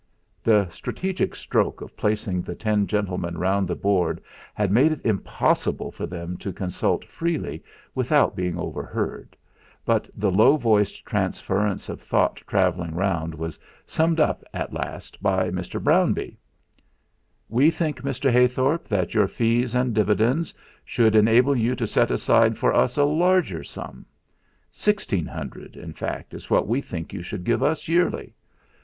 The strategic stroke of placing the ten gentlemen round the Board table had made it impossible for them to consult freely without being overheard, but the low voiced transference of thought travelling round was summed up at last by Mr. Brownbee. "We think, Mr. Heythorp, that your fees and dividends should enable you to set aside for us a larger sum. Sixteen hundred, in fact, is what we think you should give us yearly.